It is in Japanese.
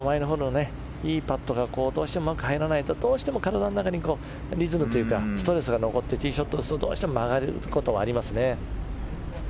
前のほうのいいパットがうまく入らないとどうしても体の中にリズムというかストレスが残ってティーショットがどうしても曲がることはありますね。